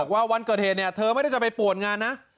ว่าวันเกิดเหตุเนี่ยเธอไม่ได้จะไปป่วนงานนะ